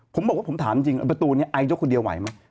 ผมบอกว่าผมถามจริงประตูนี้ไอยกคนเดียวไหวไหม